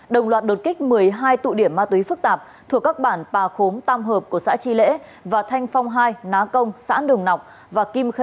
đồng loạt đột kích một mươi hai tụ điểm ma túy phức tạp thuộc các bản pà khốm tam hợp của xã tri lễ và thanh phong hai ná công xã đường nọc và kim kha